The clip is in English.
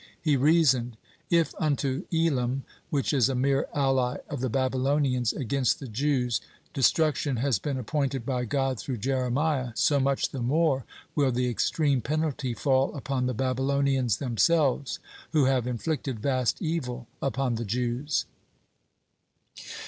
He reasoned: "If unto Elam, which is a mere ally of the Babylonians against the Jews, destruction has been appointed by God through Jeremiah, so much the more will the extreme penalty fall upon the Babylonians themselves, who have inflicted vast evil upon the Jews."